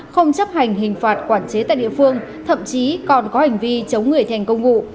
không chấp hành hình phạt quản chế tại địa phương thậm chí còn có hành vi chống người thành công vụ